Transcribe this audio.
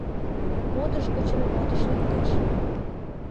«Модыш гычын лодыш лектеш» —